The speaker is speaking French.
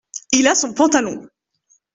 Il a son pantalon.